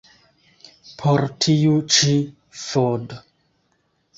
Por tiu ĉi vd.